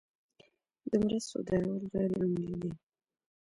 د مرستو درول غیر عملي دي.